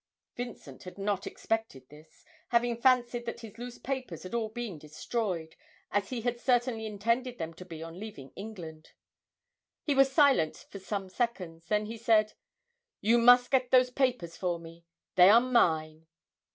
Vincent had not expected this, having fancied that his loose papers had all been destroyed, as he had certainly intended them to be on leaving England. He was silent for some seconds, then he said: 'You must get those papers for me: they are mine.'